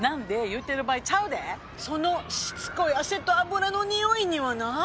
言そのしつこい汗と脂のニオイにはな。